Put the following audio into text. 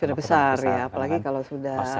sudah besar ya apalagi kalau sudah